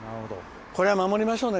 これは守りましょうね。